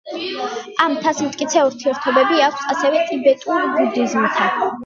ამ მთას მტკიცე ურთიერთობები აქვს ასევე ტიბეტურ ბუდიზმთან.